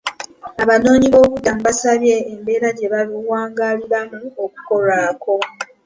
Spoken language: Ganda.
Abanoonyiboobubudamu baasabye embeera gye bawangaaliramu okukolwako.